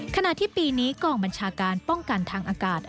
ขณะที่ปีนี้กองบัญชาการป้องกันทางอากาศ